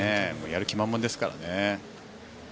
やる気満々ですからね。